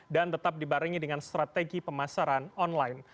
dan tetap dibaringi dengan strategi pemasaran online